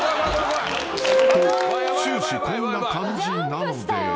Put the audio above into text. ［と終始こんな感じなので］